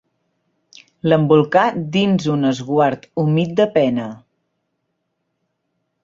L'embolcà dins un esguard humit de pena!